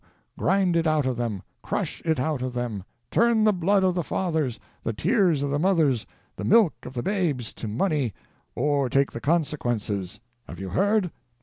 Grind it out of them, crush it out of them,, turn the blood of the fathers, the tears of the mothers, the milk of the babes to money — or take the consequences. Have you heard